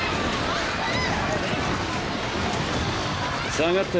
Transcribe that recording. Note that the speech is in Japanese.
下がって。